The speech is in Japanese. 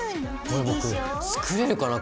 これ僕作れるかな？